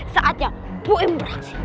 saatnya boem beraksi